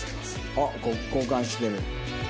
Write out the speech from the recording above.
あっ交換してる。